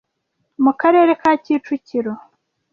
mu karere ka Kicukiro